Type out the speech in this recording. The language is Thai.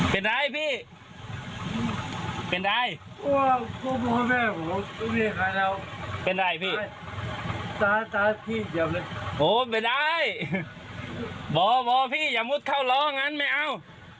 เป็นอะไรพี่เป็นอะไรเป็นอะไรพี่โอ้ไม่ได้บอกพี่อย่ามุดเข้าร้องอันไม่เอา